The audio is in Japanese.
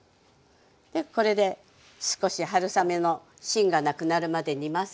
これで少し春雨の芯がなくなるまで煮ます。